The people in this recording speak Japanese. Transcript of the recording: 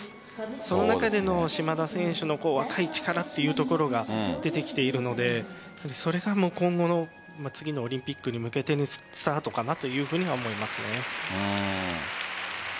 その中での島田選手の若い力というところが出てきているのでそれが今後の次のオリンピックに向けてのスタートかなと思います。